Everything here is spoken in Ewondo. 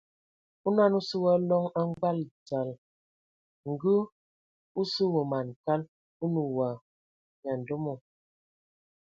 Onɔn o sɔ wa loŋ a ngbag dzal, ngə o sə wa man kal, o nə wa nyandomo.